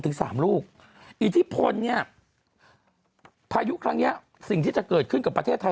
ถึงสามลูกอิทธิพลเนี่ยพายุครั้งเนี้ยสิ่งที่จะเกิดขึ้นกับประเทศไทย